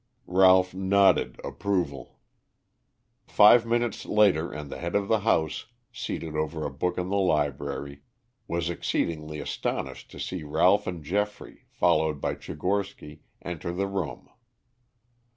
Ralph nodded approval. Five minutes later and the head of the house, seated over a book in the library, was exceedingly astonished to see Ralph and Geoffrey, followed by Tchigorsky, enter the room.